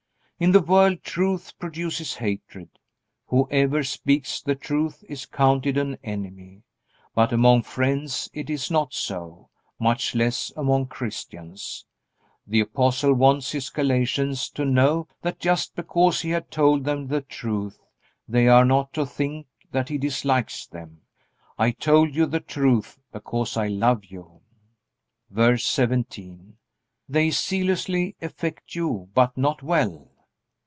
In the world truth produces hatred. Whoever speaks the truth is counted an enemy. But among friends it is not so, much less among Christians. The Apostle wants his Galatians to know that just because he had told them the truth they are not to think that he dislikes them. "I told you the truth because I love you." VERSE 17. They zealously affect you, but not well.